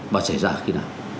và xảy ra khi nào